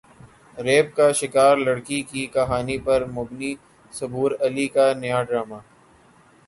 rape کا شکار لڑکی کی کہانی پر مبنی صبور علی کا نیا ڈراما